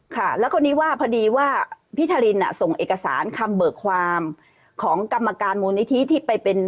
ค่ะแล้วคนนี้ว่าพอดีว่าพี่ทารินส่งเอกสารคำเบิกความของกรรมการมูลนิธิที่ไปเป็น